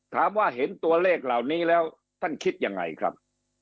ถามว่าเห็นตัวเลขเหล่านี้แล้วท่านคิดยังไงครับ